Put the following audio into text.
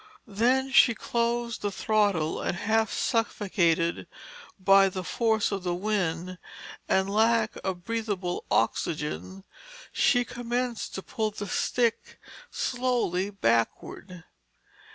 Then she closed the throttle and half suffocated by the force of the wind and lack of breathable oxygen, she commenced to pull the stick slowly backward.